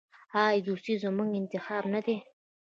آیا دوستي زموږ انتخاب نه دی؟